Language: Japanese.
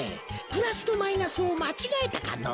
プラスとマイナスをまちがえたかの？